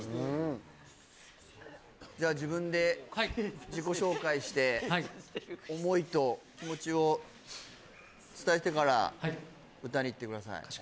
じゃあ自分で自己紹介してはいはい思いと気持ちを伝えてから歌にいってください